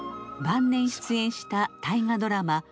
晩年出演した大河ドラマ